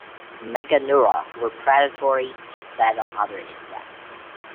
"Meganeura" were predatory, and fed on other insects.